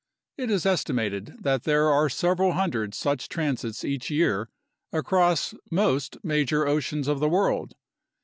It is estimated that there are several hundred such transits each year across most major oceans of the world.